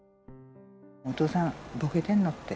お父さん、ぼけてんのって。